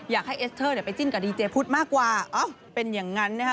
เอสเตอร์เนี่ยไปจิ้นกับดีเจพุทธมากกว่าเอ้าเป็นอย่างนั้นนะคะ